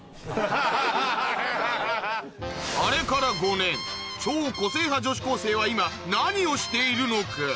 あれから５年超個性派女子高生は今何をしているのか？